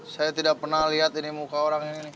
saya tidak pernah lihat ini muka orang ini